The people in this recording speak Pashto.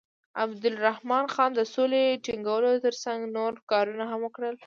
امیر عبدالرحمن خان د سولې ټینګولو تر څنګ نور کارونه هم وکړل.